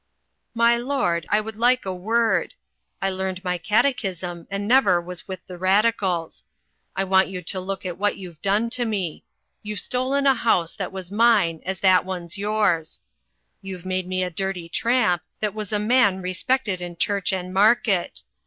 "My lord, I would like a word. I learned my cate chism and never was with the Radicals. I want you to look at what you've done to me. You've stolen a house that was mine as that one's yours. You've made me a dirty tramp, that was a man respected in church and market.